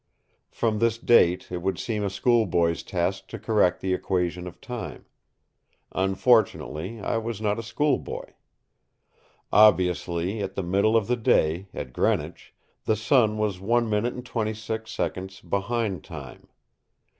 From this date it would seem a schoolboy's task to correct the Equation of Time. Unfortunately, I was not a schoolboy. Obviously, at the middle of the day, at Greenwich, the sun was 1 minute and 26 seconds behind time.